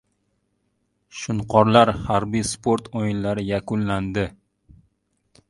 “Shunqorlar” harbiy-sport o‘yinlari yakunlandi